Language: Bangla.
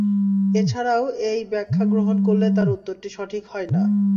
এ ছাড়াও এই ব্যাখ্যা গ্রহণ করলে তার উত্তরটি সঠিক হয় না।